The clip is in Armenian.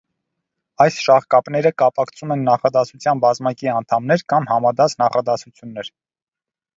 Այս շաղկապները կապակցում են նախադասության բազմակի անդամներ կամ համադաս նախադասություններ։